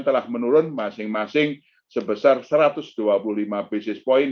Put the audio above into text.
telah menurun masing masing sebesar satu ratus dua puluh lima basis point